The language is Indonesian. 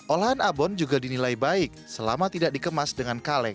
olahan abon juga dinilai baik selama tidak dikemas dengan kaleng